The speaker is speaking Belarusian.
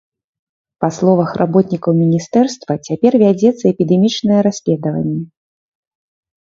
Па словах работнікаў міністэрства, цяпер вядзецца эпідэмічнае расследаванне.